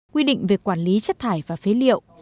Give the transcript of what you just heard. quy định về quản lý chất thải và phế liệu